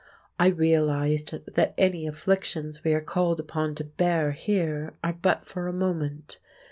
I realised that any afflictions we are called upon to bear here are but for a moment.